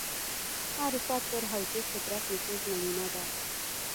معرفت پر حوزې قدرت نفوذ نمونه ده